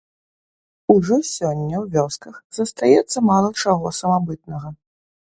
Ужо сёння ў вёсках застаецца мала чаго самабытнага.